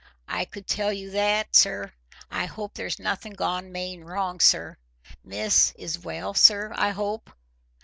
"I could tell you that, sir. I hope there's nothing gone main wrong, sir. Miss is well, sir, I hope?"